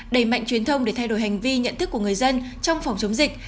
đẩy mạnh truyền thông để thay đổi hành vi nhận thức của người dân trong phòng chống dịch